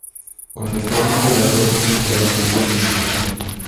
Cuando está listo, el arroz toma un color amarillo anaranjado.